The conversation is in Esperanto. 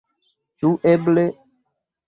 Ĉu eble!